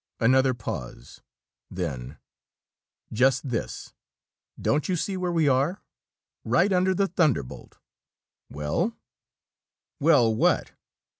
Another pause, then: "Just this. Don't you see where we are? Right under the Thunderbolt! Well?" "Well what?"